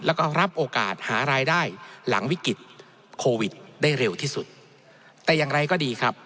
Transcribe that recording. แล้วก็รับโอกาสหารายได้หลังวิกฤตโควิดได้เร็วที่สุดแต่อย่างไรก็ดีครับ